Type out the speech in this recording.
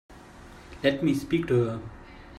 Let me speak to her.